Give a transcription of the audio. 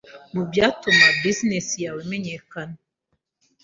mu byatuma business yawe imenyekana.